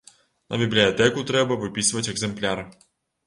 На бібліятэку трэба выпісваць экзэмпляр.